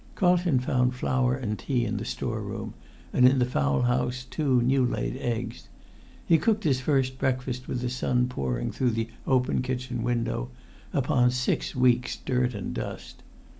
Carlton found flour and tea in the store room, and in the fowl house two new laid eggs. He cooked his first breakfast with the sun pouring through the open kitchen window upon six weeks' dirt and dust.